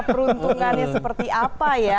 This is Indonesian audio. peruntungannya seperti apa ya